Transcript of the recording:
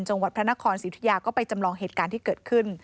จังหวัดพระนครสิทยาก็ไปจำลองเหตุการณ์ที่เกิดขึ้น